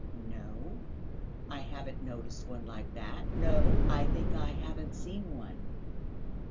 "No, I haven't noticed one like that ... no. I think I haven't seen one."